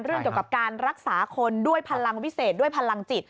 เรื่องเกี่ยวกับการรักษาคนด้วยพลังวิเศษด้วยพลังจิต